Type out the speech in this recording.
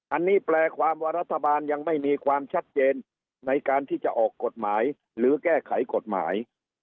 อันนี้แปลความว่ารัฐบาลยังไม่มีความชัดเจนในการที่จะออกกฎหมายหรือแก้ไขกฎหมาย